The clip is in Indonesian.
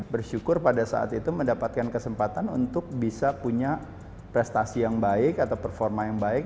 bersyukur pada saat itu mendapatkan kesempatan untuk bisa punya prestasi yang baik atau performa yang baik